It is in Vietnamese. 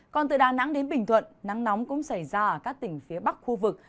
còn từ đà nẵng đến bình thuận nắng nóng cũng xảy ra ở các tỉnh phía bắc khu vực